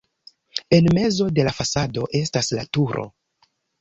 En mezo de la fasado estas la turo.